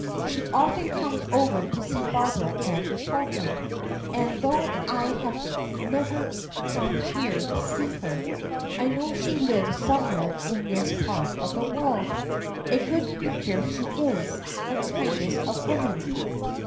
She often comes over to see Barbara and the children, and though I have never come here to see her, I know she lives somewhere in this part of the world. A good creature she is. The kindest of women."